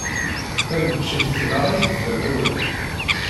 D taneččit-nneɣ ay d tamawayt.